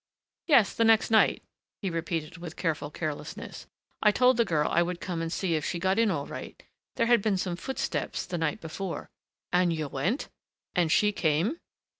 "Yes, the next night," he repeated with careful carelessness.... "I told the girl I would come and see if she got in all right there had been some footsteps the night before " "And you went? And she came?"